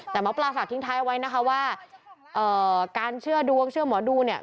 แต่หมอปลาฝากทิ้งท้ายไว้นะคะว่าการเชื่อดวงเชื่อหมอดูเนี่ย